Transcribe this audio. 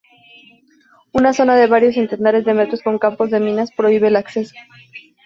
Una zona de varios centenares de metros con campos de minas prohíbe el acceso.